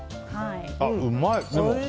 うまい！